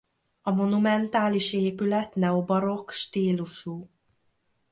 A monumentális épület neobarokk stílusú.